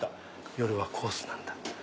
夜はコースなんだ。